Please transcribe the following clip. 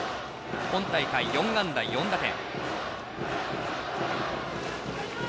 今大会４安打４打点。